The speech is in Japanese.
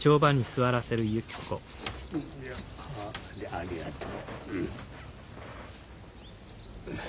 ありがとう。